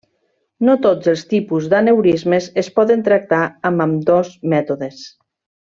No tots els tipus d'aneurismes es poden tractar amb ambdós mètodes.